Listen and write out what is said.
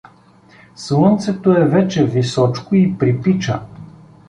Слънцето е вече височко и припича.